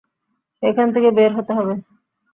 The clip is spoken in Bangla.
এখান থেকে বের হতে হবে।